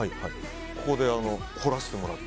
ここで掘らせてもらって。